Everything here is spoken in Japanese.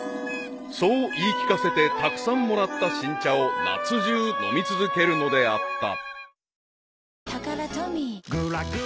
［そう言い聞かせてたくさんもらった新茶を夏中飲み続けるのであった］